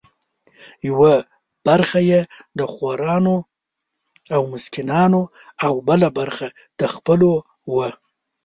یوه برخه یې د خورانو او مسکینانو او بله برخه د خپلو وه.